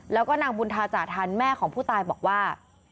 แล้วก็นางบุญธาจาทันแม่ของผู้ตายบอกว่า